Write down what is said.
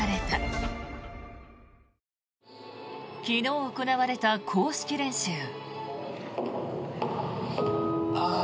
昨日行われた公式練習。